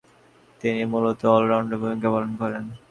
তিনি মূলতঃ অল-রাউন্ডারের ভূমিকা পালন করেন।